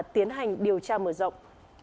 tiến hành điều tra mở rộng